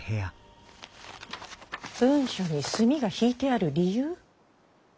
文書に墨が引いてある理由？